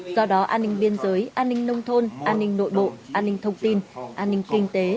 do đó an ninh biên giới an ninh nông thôn an ninh nội bộ an ninh thông tin an ninh kinh tế